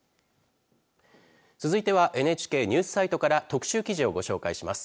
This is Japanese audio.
続いてはＮＨＫニュースサイトから特集記事をご紹介します。